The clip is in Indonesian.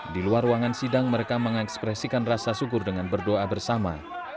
di luar ruangan sidang mereka mengekspresikan rasa syukur dengan berdoa bersama